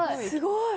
すごい。